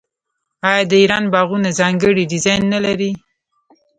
آیا د ایران باغونه ځانګړی ډیزاین نلري؟